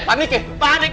panik banget tuh